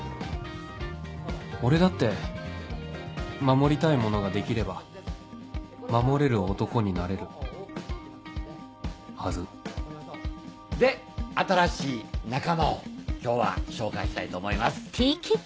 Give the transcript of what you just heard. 俺だって守りたいものができれば守れる男になれるはずで新しい仲間を今日は紹介したいと思います。